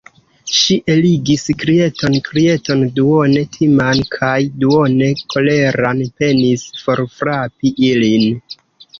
Ŝi eligis krieton, krieton duone timan kaj duone koleran, penis forfrapi ilin.